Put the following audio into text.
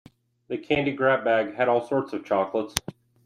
The candy grab bag had all sorts of chocolates.